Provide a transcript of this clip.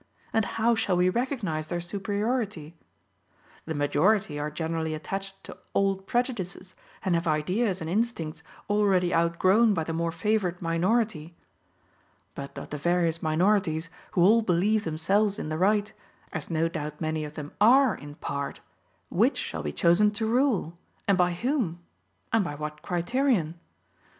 And how shall we recognize their superiority. The majority are generally attached to old prejudices, and have ideas and instincts already outgrown by the more favored minority. But of the various minorities, who all believe themselves in the right, as no doubt many of them are in part, which shall be chosen to rule? And by whom? And by what criterion?